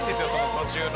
途中の。